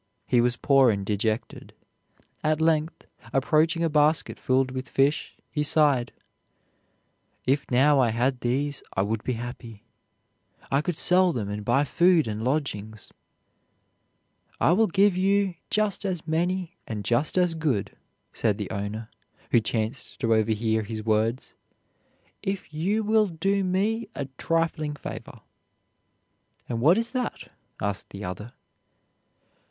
He was poor and dejected. At length, approaching a basket filled with fish, he sighed, "If now I had these I would be happy. I could sell them and buy food and lodgings." "I will give you just as many and just as good," said the owner, who chanced to overhear his words, "if you will do me a trifling favor." "And what is that?" asked the other.